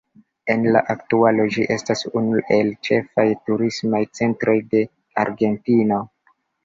En la aktualo ĝi estas unu el ĉefaj turismaj centroj de Argentino.